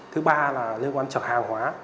thứ ba là liên quan trở hàng hóa